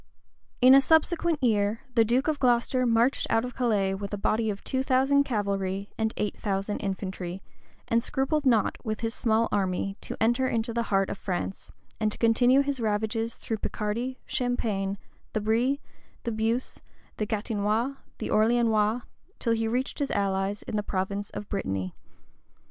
{1380.} In a subsequent year, the duke of Glocester marched out of Calais with a body of two thousand cavalry and eight thousand infantry, and scrupled not, with his small army, to enter into the heart of France, and to continue his ravages through Picardy, Champaigne, the Brie, the Beausse, the Gatinois, the Orleanois, till he reached his allies in the province of Brittany.